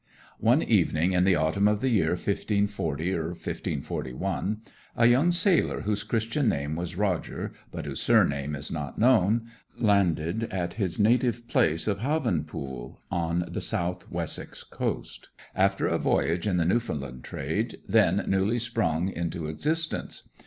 One evening in the autumn of the year 1540 or 1541, a young sailor, whose Christian name was Roger, but whose surname is not known, landed at his native place of Havenpool, on the South Wessex coast, after a voyage in the Newfoundland trade, then newly sprung into existence.